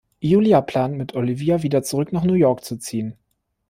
Julia plant, mit Olivia wieder zurück nach New York zu ziehen.